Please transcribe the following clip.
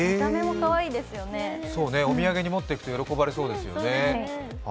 お土産に持っていくと喜ばれそうですよね。